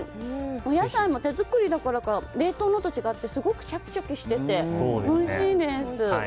お野菜も手作りだからか冷凍のと違ってすごくシャキシャキしてておいしいです。